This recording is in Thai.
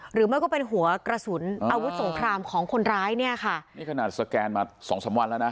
มันก็เป็นหัวกระสุนอาวุธสงครามของคนร้ายเนี่ยค่ะนี่ขนาดสแกนมาสองสามวันแล้วนะ